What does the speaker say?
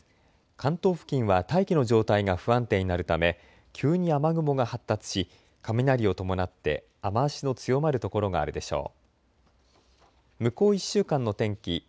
関東付近は大気の状態が不安定になるため急に雨雲が発達し雷を伴って雨足の強まる所があるでしょう。